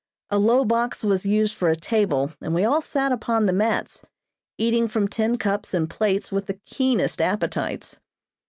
A low box was used for a table and we all sat upon the mats, eating from tin cups and plates with the keenest appetites.